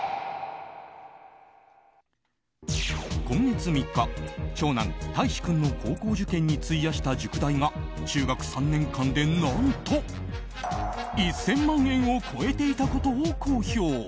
今月３日長男・大維志君の高校受験に費やした塾代が中学３年間で何と１０００万円を超えていたことを公表。